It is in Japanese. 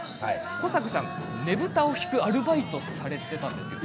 古坂さん、ねぶたを引くアルバイトをされていたんですよね。